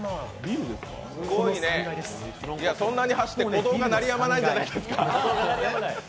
そんなに橋って鼓動が鳴りやまないんじゃないですか？